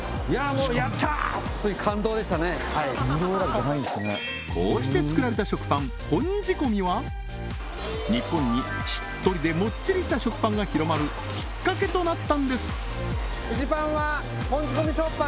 もうこうして作られた食パン本仕込は日本にしっとりでもっちりした食パンが広まるきっかけとなったんです